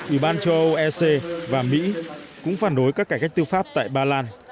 ủy ban châu âu ec và mỹ cũng phản đối các cải cách tư pháp tại ba lan